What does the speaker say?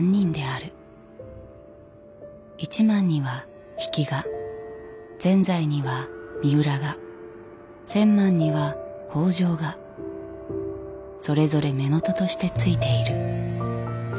一幡には比企が善哉には三浦が千幡には北条がそれぞれ乳母父としてついている。